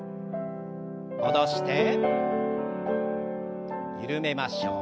戻して緩めましょう。